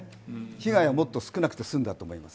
被害がもっと少なくて済んだと思います。